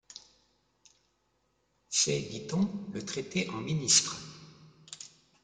C'est, dit-on, le traiter en ministre.